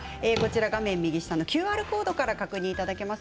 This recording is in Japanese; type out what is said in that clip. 画面右下のＱＲコードからご確認いただけます。